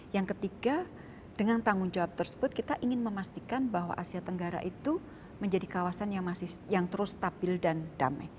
yang ketiga dengan tanggung jawab tersebut kita ingin memastikan bahwa asia tenggara itu menjadi kawasan yang terus stabil dan damai